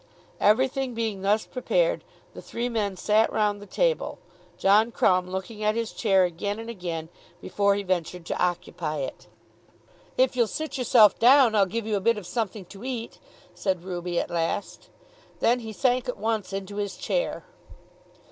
Everything being thus prepared, the three men sat round the table, John Crumb looking at his chair again and again before he ventured to occupy it. "If you'll sit yourself down, I'll give you a bit of something to eat," said Ruby at last. Then he sank at once into his chair.